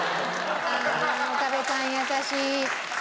ああ岡部さん優しい。